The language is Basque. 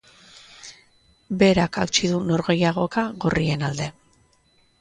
Berak hautsi du norgehiagoka gorrien alde.